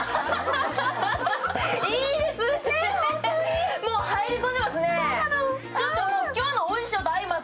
いいですね、もう入り込んでますね。